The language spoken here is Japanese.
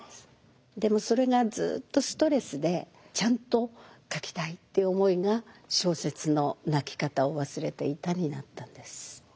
でもそれがずっとストレスでちゃんと書きたいっていう思いが小説の「泣きかたをわすれていた」になったんです。